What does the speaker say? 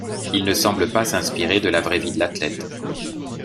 Il ne semble pas s'inspirer de la vraie vie de l'athlète.